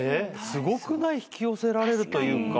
すごくない？引き寄せられるというか。